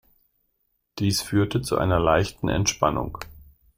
Dies führte zu einer leichten Entspannung.